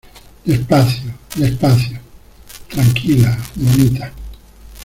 despacio. despacio . tranquila, bonita .